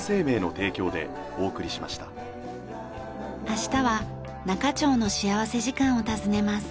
明日は那賀町の幸福時間を訪ねます。